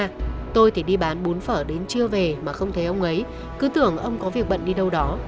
ông ấy chỉ đi bán bún phở đến trưa về mà không thấy ông ấy cứ tưởng ông có việc bận đi đâu đó